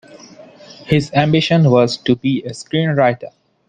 His ambition was to be a screenwriter.